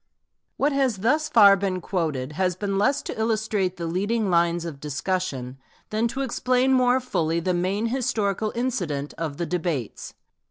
What has thus far been quoted has been less to illustrate the leading lines of discussion, than to explain more fully the main historical incident of the debates.